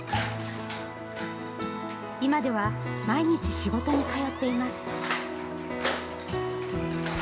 今では毎日、仕事に通っています。